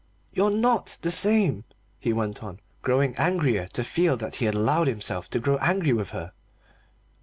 "You're not the same," he went on, growing angrier to feel that he had allowed himself to grow angry with her.